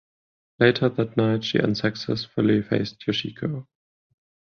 Later that night she unsuccessfully faced Yoshiko.